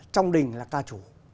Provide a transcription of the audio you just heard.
trong đình là ca chủ